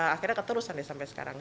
akhirnya keterusan deh sampai sekarang